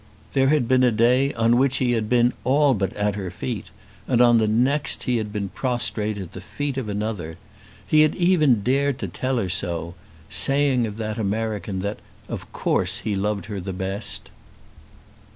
There had been a day on which he had been all but at her feet, and on the next he had been prostrate at the feet of another. He had even dared to tell her so, saying of that American that "of course he loved her the best!"